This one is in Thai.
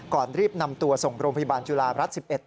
รีบนำตัวส่งโรงพยาบาลจุฬารัฐ๑๑